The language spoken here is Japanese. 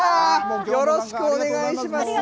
よろしくお願いします。